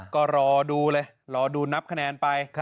ก็รอดูเลยรอดูนับคะแนนไป